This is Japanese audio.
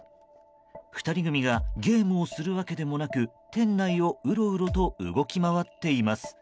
２人組がゲームをするわけでもなく店内をうろうろと動き回っています。